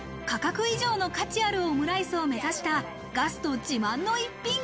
価格以上の価値あるオムライスを目指したガスト自慢の一品。